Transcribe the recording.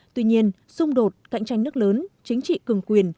tuy nhiên xung đột cạnh tranh nước lớn chính trị cường quyền